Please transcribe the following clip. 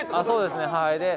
そうですね、はい。